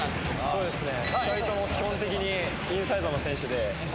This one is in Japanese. そうですね。